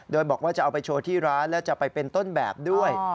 โดยบอกว่าจะเอาไปโชว์ที่ร้านและจะไปเป็นต้นแบบด้วย